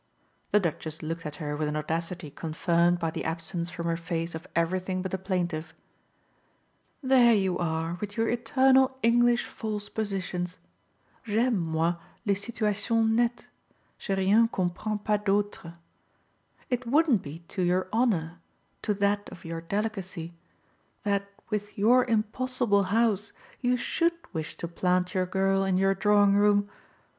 The Duchess looked at her with an audacity confirmed by the absence from her face of everything but the plaintive. "There you are, with your eternal English false positions! J'aime, moi, les situations nettes je rien comprends pas d'autres. It wouldn't be to your honour to that of your delicacy that with your impossible house you SHOULD wish to plant your girl in your drawing room.